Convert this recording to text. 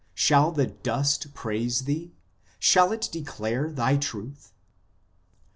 Shall the dust praise thee ? Shall it declare thy truth ?